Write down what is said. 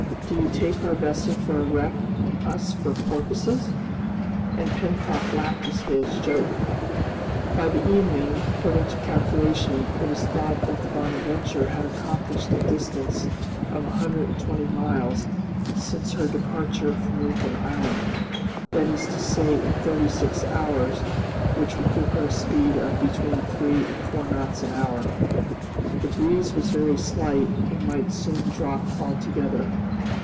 Do you take our vessel for a wreck and us for porpoises?" And Pencroft laughed at his joke. By the evening, according to calculation, it was thought that the "Bonadventure" had accomplished a distance of a hundred and twenty miles since her departure from Lincoln Island, that is to say in thirty six hours, which would give her a speed of between three and four knots. The breeze was very slight and might soon drop altogether.